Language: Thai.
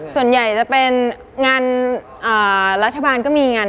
ตะเจฮาวอ่อชื่อทีน่า